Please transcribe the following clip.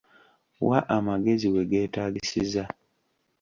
Wa amagezi we geetaagisiza.